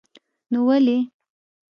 نو ولې.